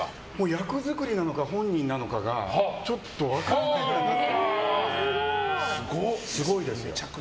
役作りなのか、本人なのかがちょっと分からないぐらいすごいですよ。